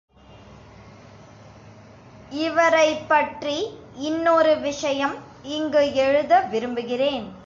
இவரைப்பற்றி இன்னொரு விஷயம் இங்கு எழுத விரும்புகிறேன்.